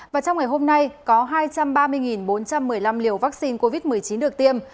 và trong ngày hôm nay có hai trăm ba mươi bốn trăm một mươi năm liều vaccine covid một mươi chín được tiêm